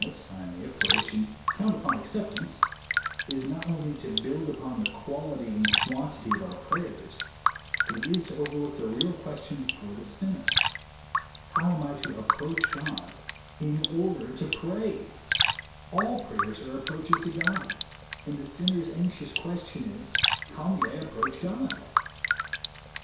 13 Liess, I may approach and count upon ac ceptance, is not only to build upon the quality and quantity of our prayers, but it is to overlook the real question before the sinner, " How am I to approach God in order to f^ray T' All prayers are ap proaches to God, and the sinner's anxious question is, " How may I approach God